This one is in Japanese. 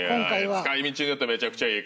使い道があったらめちゃくちゃええ